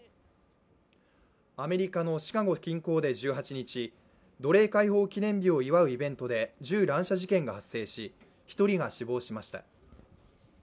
アメリカのシカゴ近郊で１８日、奴隷解放記念日を祝うイベントで銃乱射事件が発生し１人が死亡しました。